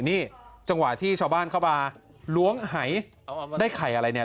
นี่จังหวะที่ชาวบ้านเข้ามาล้วงหายได้ไข่อะไรเนี่ย